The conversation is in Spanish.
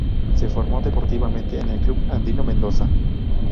Se formó deportivamente en el Club Andino Mendoza.